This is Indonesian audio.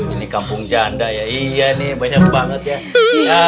ini kampung janda ya iya nih banyak banget ya